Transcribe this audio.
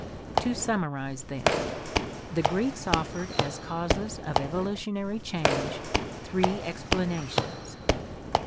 To summarize, then, the Greeks offered as causes of evolutionary change three explanations: 1.